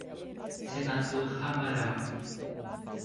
Senador Amaral